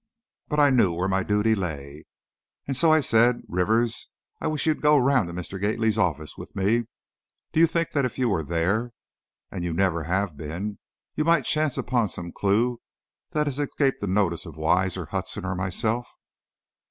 But I knew where my duty lay. And so I said, "Rivers, I wish you'd go round to Mr. Gately's office with me. Don't you think that if you were there, and you never have been, you might chance upon some clew that has escaped the notice of Wise or Hudson or myself?"